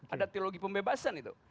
ada teologi pembebasan itu